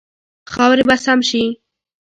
خاورې به سم شي.